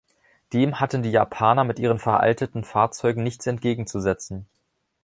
Dem hatten die Japaner mit ihren veralteten Fahrzeugen nichts entgegenzusetzen.